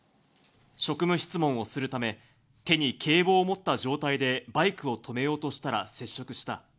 職務質問をするため、手に警棒を持った状態でバイクを止めようとしたら接触した。